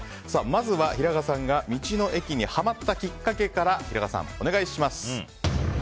まずは、平賀さんが道の駅にハマったきっかけから平賀さん、お願いします。